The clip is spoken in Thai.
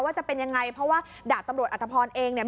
จะเป็นยังไงเพราะว่าดาบตำรวจอัตภพรเองเนี่ย